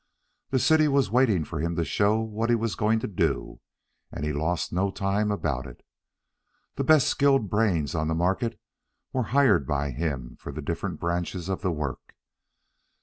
The city was waiting for him to show what he was going to do, and he lost no time about it. The best skilled brains on the market were hired by him for the different branches of the work.